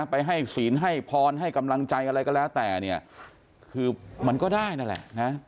ไปให้ศีลให้พรให้กำลังใจอะไรก็แล้วแต่เนี่ยคือมันก็ได้นั่นแหละนะ